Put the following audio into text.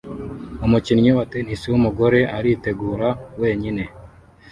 Umukinnyi wa tennis wumugore aritegura wenyine